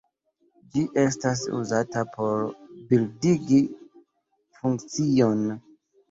Ĝi estas uzata por bildigi funkcion.